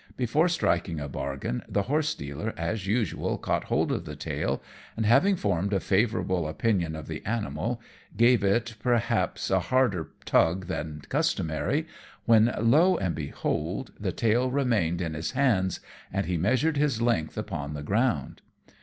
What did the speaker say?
Before striking a bargain, the Horse dealer, as usual, caught hold of the tail, and having formed a favourable opinion of the animal, gave it, perhaps, a harder tug than customary, when, lo and behold, the tail remained in his hands, and he measured his length upon the ground.